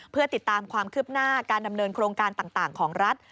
เพื่อติดตามความคืบหน้าการดำเนินโครงการต่างของรัฐ